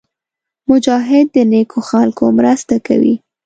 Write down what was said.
مجاهد د نېکو خلکو مرسته کوي.